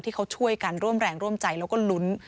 ที่เขาช่วยกันร่วมแรงร่วมใจแล้วก็ลุ้น